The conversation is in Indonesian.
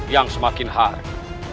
yang semakin hari